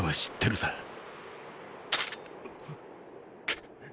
くっ！